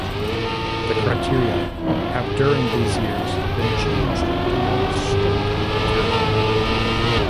The criteria have during these years been changed to more strict criteria.